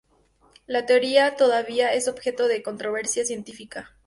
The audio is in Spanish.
La teoría todavía es objeto de controversia científica.